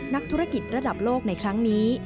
นักธุรกิจระดับโลกในครั้งนี้